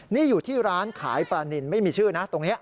นี่อยู่ที่ร้านขายปลานินไม่มีชื่อนะตรงนี้